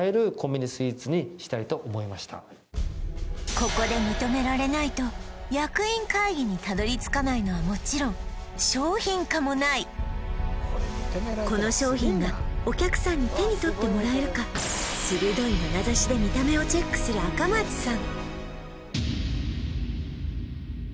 ここで認められないと役員会議にたどり着かないのはもちろん商品化もないこの商品がお客さんに手に取ってもらえるか鋭いまなざしで見た目をチェックする赤松さん